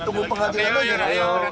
tunggu pengajian aja